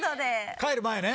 帰る前ね。